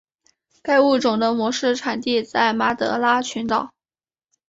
该物种的模式产地在马德拉群岛。